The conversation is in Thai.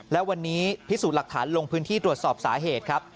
และวันนี้พิสูจน์หลักฐานลงพื้นที่ตรวจสอบสาเหตุครับ